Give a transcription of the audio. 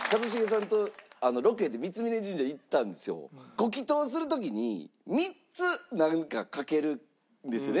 ご祈祷する時に３つなんか書けるんですよね。